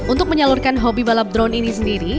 untuk menyalurkan hobi balap drone ini sendiri